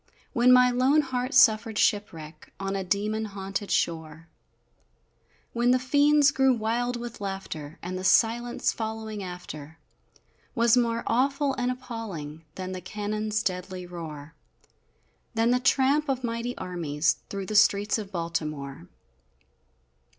When my lone heart suffered shipwreck On a demon haunted shore When the fiends grew wild with laughter, And the silence following after, Was more awful and appalling Than the cannons deadly roar Than the tramp of mighty armies Through the streets of Baltimore!